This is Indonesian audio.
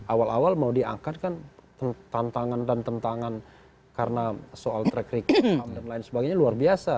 awal awal mau diangkat kan tantangan dan tentangan karena soal track record dan lain sebagainya luar biasa